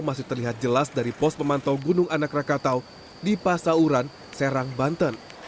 masih terlihat jelas dari pos pemantau gunung anak rakatau di pasauran serang banten